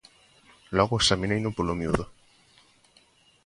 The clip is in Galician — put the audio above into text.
Logo examineino polo miúdo